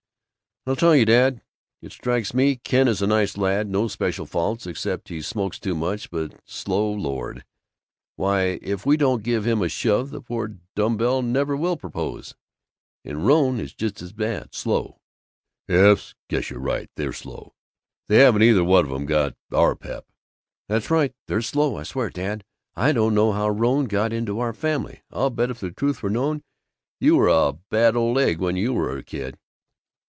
"I'll tell you, dad: it strikes me Ken is a nice lad; no special faults except he smokes too much; but slow, Lord! Why, if we don't give him a shove the poor dumb bell never will propose! And Rone just as bad. Slow." "Yes, I guess you're right. They're slow. They haven't either one of 'em got our pep." "That's right. They're slow. I swear, dad, I don't know how Rone got into our family! I'll bet, if the truth were known, you were a bad old egg when you were a kid!"